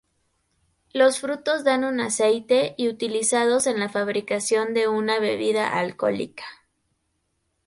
Los frutos dan un aceite, y utilizados en la fabricación de una bebida alcohólica.